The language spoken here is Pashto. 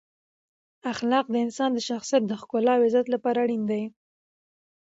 اخلاق د انسان د شخصیت د ښکلا او عزت لپاره اړین دی.